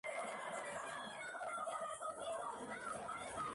Existen valoraciones muy diversas acerca del resultado de la Comisión.